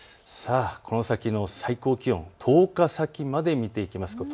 この先の最高気温、１０日先まで見ていきます。